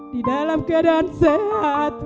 di dalam keadaan sehat